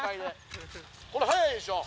これ早いでしょ？